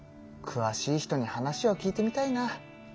くわしい人に話を聞いてみたいな。